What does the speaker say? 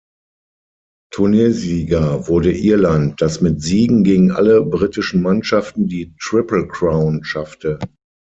Turniersieger wurde Irland, das mit Siegen gegen alle britischen Mannschaften die Triple Crown schaffte.